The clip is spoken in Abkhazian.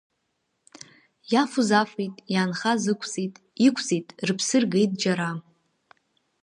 Иафоз афеит, иаанхаз ықәҵит, иқәҵит, рыԥсы ргеит џьара.